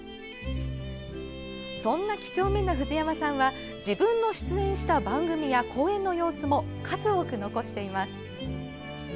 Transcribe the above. そんな、几帳面な藤山さんは自分の出演した番組や公演の様子も数多く残しています。